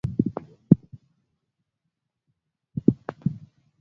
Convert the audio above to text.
Mdomo na macho kuwa mekundu